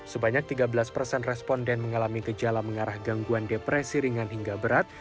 sebanyak tiga belas persen responden mengalami gejala mengarah gangguan depresi ringan hingga berat